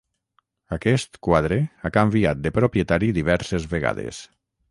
Aquest quadre ha canviat de propietari diverses vegades.